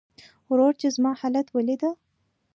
ورور چې زما حالت وليده .